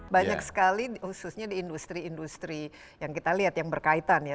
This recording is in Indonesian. banyak sekali khususnya di industri industri yang kita lihat yang berkaitan ya